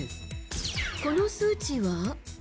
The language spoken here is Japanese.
この数値は？